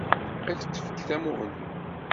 Ad tefk tamuɣli.